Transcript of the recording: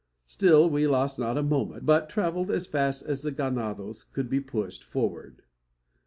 Still we lost not a moment, but travelled as fast as the ganados could be pushed forward.